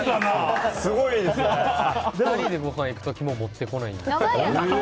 ２人でごはん行く時も持ってこないんですよ。